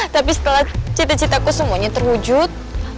tapi setelah cita citaku semuanya terwujud